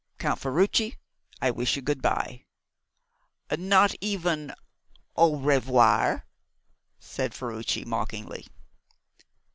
Count Ferruci, I wish you good bye." "Not even au revoir?" said Ferruci mockingly.